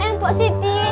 eh pak siti